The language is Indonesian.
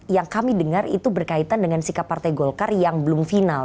yang kami dengar itu berkaitan dengan sikap partai golkar yang belum final